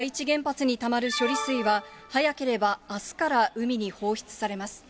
福島第一原発にたまる処理水は、早ければあすから海に放出されます。